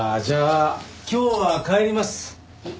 じゃあ今日は帰ります。